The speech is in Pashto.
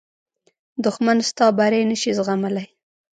دښمن ستا بری نه شي زغملی